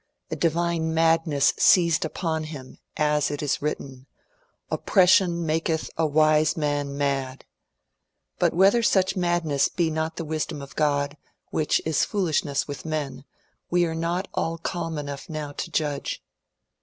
A divine madness seized upon him ; as it is written, '^ Oppression maketh a wise man mad "— but whether such madness be not the wisdom of Grod, which is foolishness with men, we are not all calm enough now to judge.